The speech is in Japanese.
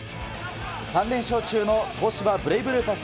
３連勝中の東芝ブレイブルーパス